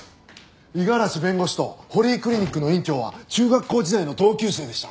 五十嵐弁護士と堀井クリニックの院長は中学校時代の同級生でした。